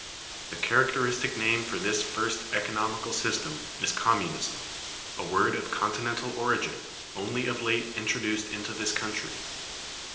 The characteristic name for this [first] economical system is Communism, a word of Continental origin, only of late introduced into this country.